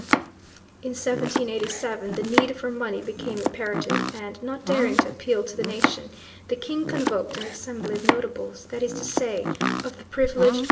In 1787 the need for money became imperative, and, not daring to appeal to the nation, the King convoked an assembly of "notables," that is to say of the privileged.